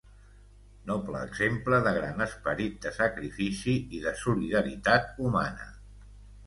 Noble exemple de gran esperit de sacrifici i de solidaritat humana.